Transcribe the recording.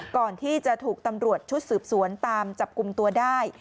ก่อนที่จะถูกตำรวจชุดสืบสวนตามจับกลุ่มตัวได้